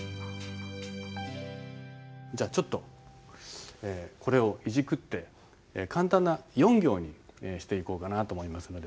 じゃあちょっとこれをいじくって簡単な４行にしていこうかなと思いますので。